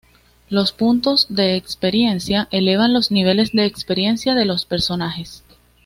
Los puntos de experiencia elevan los niveles de experiencia de los personajes.